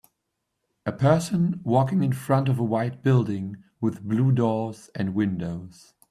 A person walking in front of a white building with blue doors and windows.